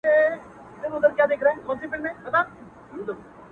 كه څه هم په دار وځړوو؛